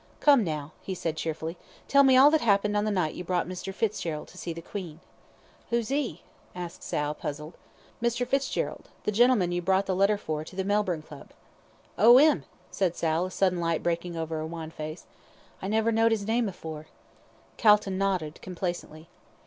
"Come, now," he said cheerfully, "tell me all that happened on the night you brought Mr. Fitzgerald to see the 'Queen.'" "Who's 'e?" asked Sal, puzzled. "Mr. Fitzgerald, the gentleman you brought the letter for to the Melbourne Club." "Oh, 'im?" said Sal, a sudden light breaking over her wan face. "I never knowd his name afore." Calton nodded complacently.